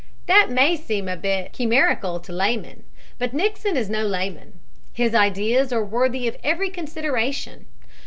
That may seem a bit chimerical to laymen, but Nixon is no layman. His ideas are worthy of every consideration.